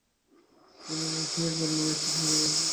তিনি nonsense club নামে একটি সংঘ গড়ে তুলেছিলেন।